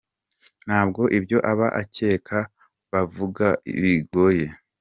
Ntabwo ibyo aba kera bavuga bigoye.